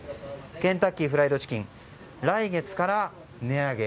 ケンタッキーフライドチキン来月から値上げ。